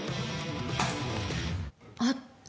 あった！